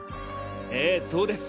ええそうです！